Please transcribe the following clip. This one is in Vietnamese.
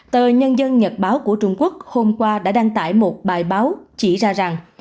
tờ nhân dân nhật báo của trung quốc hôm qua đã đăng tải một bài báo chỉ ra rằng